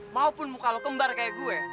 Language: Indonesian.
maupun muka lu kembar kayak gue